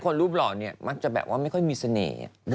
รูปหล่อเนี่ยมักจะแบบว่าไม่ค่อยมีเสน่ห์